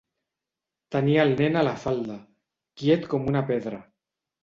Tenia el nen a la falda, quiet com una pedra.